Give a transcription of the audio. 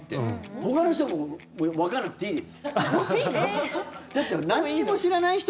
ほかの人わからなくていいです。